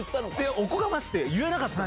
おこがましくて言えなかったの。